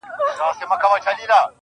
ه زه د دوو مئينو زړو بړاس يمه.